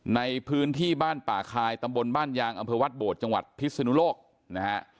ในพื้นที่บ้านป่าคายตำบลบ้านยางอำเภอวัดโบดจังหวัดพิศนุโลกนะฮะ